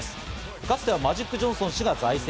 かつてはマジック・ジョンソン氏が在籍。